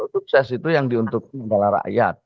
sukses itu yang diuntungkan adalah rakyat